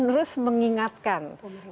yang harus terus menerus mengingatkan